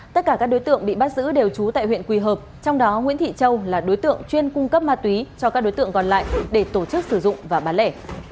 tất cả các đối tượng bị bắt giữ đều trú tại huyện quỳ hợp trong đó nguyễn thị châu là đối tượng chuyên cung cấp ma túy cho các đối tượng còn lại để tổ chức sử dụng và bán lẻ